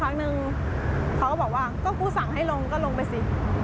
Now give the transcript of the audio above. พักนึงเขาก็บอกว่าก็กูสั่งให้ลงก็ลงไปสิ